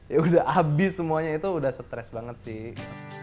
ya udah habis semuanya itu udah stres banget sih